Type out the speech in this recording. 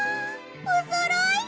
おそろい？